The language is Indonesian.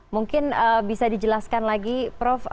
mungkin bisa dijelaskan lagi prof